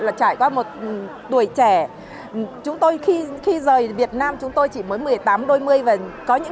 là trải qua một tuổi trẻ chúng tôi khi rời việt nam chúng tôi chỉ mới một mươi tám đôi mươi và có những